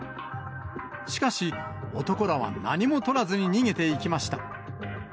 しかし、男らは何もとらずに逃げていきました。